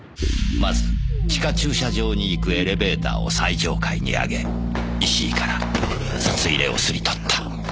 まず地下駐車場に行くエレベーターを最上階に上げ石井から札入れを掏り取った。